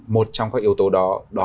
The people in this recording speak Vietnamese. một trong các yếu tố đó